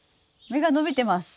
芽が伸びてます！